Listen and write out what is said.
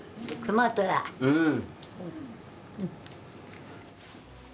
うん。